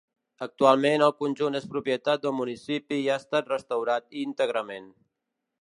Actualment el conjunt és propietat del municipi i ha estat restaurat íntegrament.